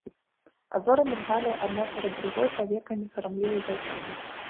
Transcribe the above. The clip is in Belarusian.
А зоры міргалі адна перад другой павекамі сарамлівай дзяўчыны.